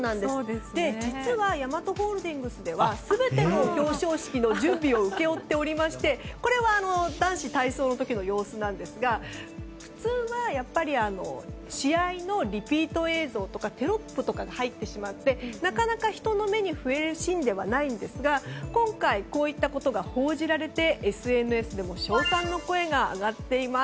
実はヤマトホールディングスでは全ての表彰式の準備を請け負っていましてこれは男子体操の時の様子ですが普通は、試合のリピート映像とかテロップとかが入ってしまってなかなか人の目に触れるシーンではないんですが今回、こういったことが報じられてＳＮＳでも称賛の声が上がっています。